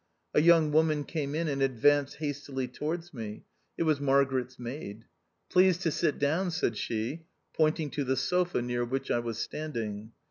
A young woman came in, and ad vanced hastily towards me. It was Mar garet's maid. "Please to sit down," said she, pointing to the sofa near which I was standing.